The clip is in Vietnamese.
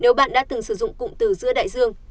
nếu bạn đã từng sử dụng cụm từ giữa đại dương